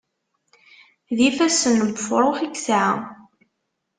D ifassen n wefṛux i yesɛa.